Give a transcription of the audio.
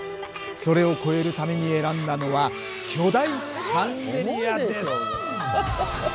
それを超えるために選んだのは巨大シャンデリアです！